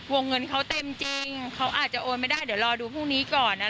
เธอก็ทำในสิ่งที่มันผิดกฎหมายดีกว่า